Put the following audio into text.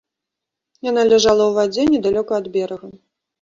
Яна ляжала ў вадзе недалёка ад берага.